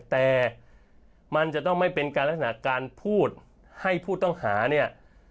แต่มันจะต้องไม่เป็นการลักษณะการพูดให้ผู้ต้องหาเนี่ย